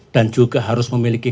dan juga harus memiliki